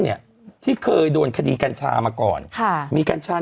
เนี่ยที่เคยโดนคดีกัญชามาก่อนค่ะมีกัญชา